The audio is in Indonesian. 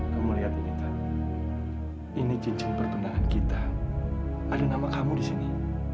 kamu lihat ini tadi ini cincin perbenaran kita ada nama kamu di sini